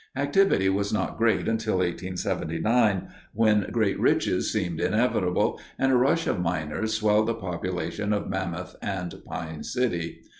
Activity was not great until 1879, when great riches seemed inevitable, and a rush of miners swelled the population of Mammoth and Pine City.